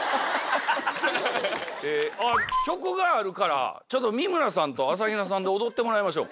あっ曲があるからちょっと三村さんと朝比奈さんで踊ってもらいましょう。